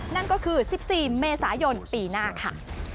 นั่นก็คือ๑๔เมษายนปีหน้าค่ะ